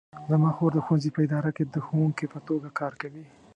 زما خور د ښوونځي په اداره کې د ښوونکې په توګه کار کوي